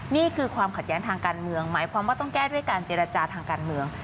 นี่คือความขัดแย้งทางการเมืองหมายความว่าต้องแก้ด้วยการเจรจาทางการเมือง